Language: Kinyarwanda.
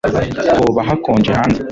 Hoba hakonje hanze